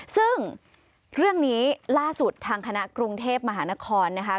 ซึ่งเรื่องนี้ล่าสุดทางคณะกรุงเทพมหานครนะคะ